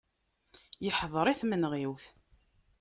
Yeḥḍer i tmenɣiwt.